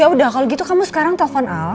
yaudah kalau gitu kamu sekarang telpon al